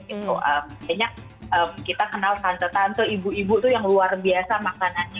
kayaknya kita kenal tante tante ibu ibu tuh yang luar biasa makanannya